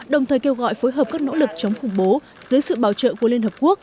đồng thời kêu gọi phối hợp các nỗ lực chống khủng bố dưới sự bảo trợ của liên hợp quốc